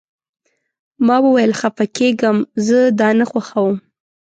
ما وویل: خفه کیږم، زه دا نه خوښوم.